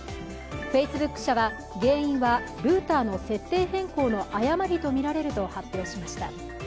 フェイスブック社は原因はルーターの設定変更の誤りとみられると発表しました。